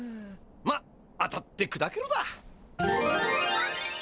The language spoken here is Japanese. まっ当たってくだけろだ！